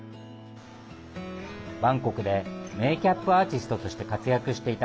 バンコクでメーキャップアーティストとして活躍していた、